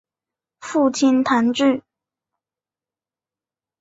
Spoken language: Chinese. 父亲谭智。